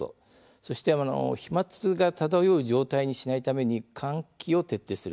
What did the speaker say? そして飛まつが漂う状態にしないために換気を徹底する。